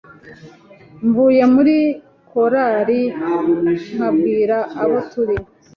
mvuye muri korari nkabwira abo turi